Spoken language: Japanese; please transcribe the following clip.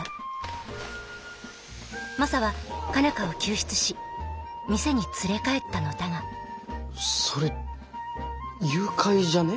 マサは佳奈花を救出し店に連れ帰ったのだがそれ誘拐じゃね？